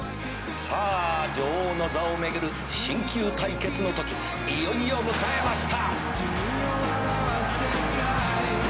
「さあ女王の座を巡る新旧対決のときいよいよ迎えました」